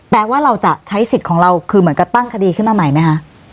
ว่าเราจะใช้สิทธิ์ของเราคือเหมือนกับตั้งคดีขึ้นมาใหม่ไหมคะ